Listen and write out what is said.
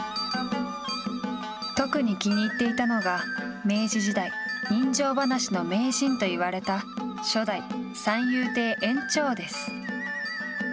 特に気に入っていたのが明治時代、人情ばなしの名人と言われた初代三遊亭円朝です。